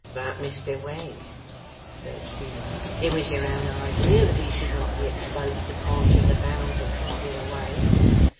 'But, Mr Wegg,' urged Venus, 'it was your own idea that he should not be exploded upon, till the Mounds were carted away.